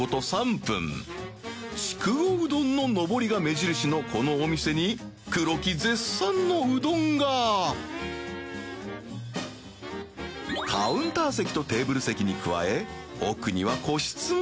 筑後うどんののぼりが目印のこのお店に曺收篁燭里Δ匹鵑カウンター席とテーブル席に加え奥には個室も